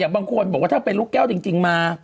บางคนบอกว่าถ้าเป็นลูกแก้วจริงมา